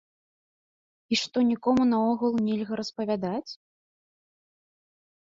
І што нікому наогул нельга распавядаць?